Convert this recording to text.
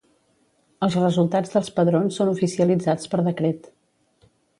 Els resultats dels padrons són oficialitzats per decret.